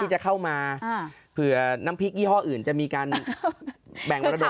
จะเข้ามาเผื่อน้ำพริกยี่ห้ออื่นจะมีการแบ่งมรดก